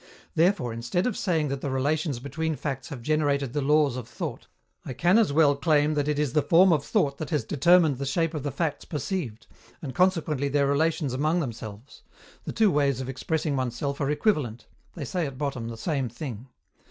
Therefore, instead of saying that the relations between facts have generated the laws of thought, I can as well claim that it is the form of thought that has determined the shape of the facts perceived, and consequently their relations among themselves: the two ways of expressing oneself are equivalent; they say at bottom the same thing.